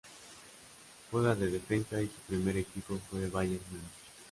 Juega de defensa y su primer equipo fue Bayern Munich.